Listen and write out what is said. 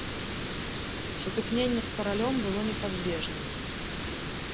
Сутыкненне з каралём было непазбежным.